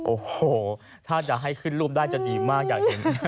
โอ้โหถ้าจะให้ขึ้นรูปได้จะดีมากอยากเห็น